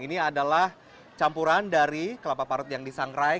ini adalah campuran dari kelapa parut yang disangrai